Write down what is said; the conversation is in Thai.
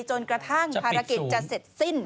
จนกระทั่งภารกิจจะเสร็จสิ้น